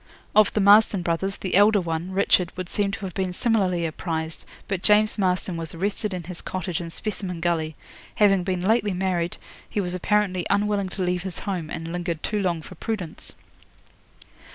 'Of the Marston brothers, the elder one, Richard, would seem to have been similarly apprised, but James Marston was arrested in his cottage in Specimen Gully. Having been lately married, he was apparently unwilling to leave his home, and lingered too long for prudence.